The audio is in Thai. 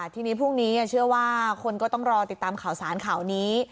ทีนี้พรุ่งนี้เชื่อว่าคนก็ต้องรอติดตามข่าวสารข่าวนี้